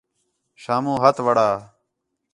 شامو ہتھ وڑا